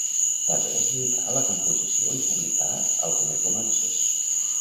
També es dedicà a la composició i publicà algunes romances.